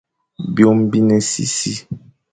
Byôm bi ne sisi,